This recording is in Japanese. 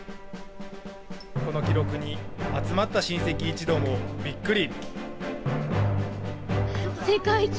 この記録に集まった親戚一同もびっくり。